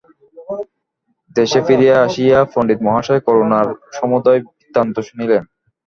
দেশে ফিরিয়া আসিয়া পণ্ডিতমহাশয় করুণার সমুদয় বৃত্তান্ত শুনিলেন।